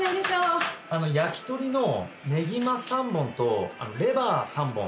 焼き鳥のねぎま３本とレバー３本。